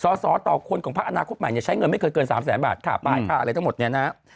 สอสอต่อคนของพักอนาคตใหม่เนี่ยใช้เงินไม่เกิน๓แสนบาทค่าป้ายค่าอะไรทั้งหมดเนี่ยนะ